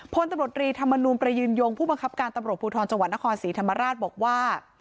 พลตำรวจรีธรรมนูลประยืนยงผู้บังคับการตำรวจภูทรจังหวัดนครศรีธรรมราชบอกว่า